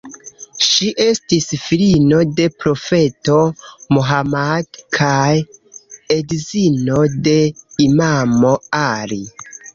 Ŝi estis filino de profeto Mohammad kaj edzino de imamo Ali.